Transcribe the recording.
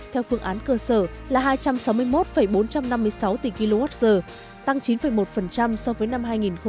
theo phương án cơ sở là hai trăm sáu mươi một bốn trăm năm mươi sáu tỷ kwh tăng chín một so với năm hai nghìn một mươi chín